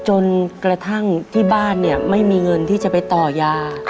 จนกระทั่งที่บ้านเนี่ยไม่มีเงินที่จะไปต่อยา